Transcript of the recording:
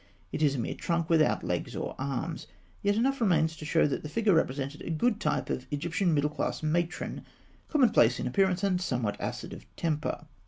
It is a mere trunk, without legs or arms (fig. 192); yet enough remains to show that the figure represented a good type of the Egyptian middle class matron, commonplace in appearance and somewhat acid of temper.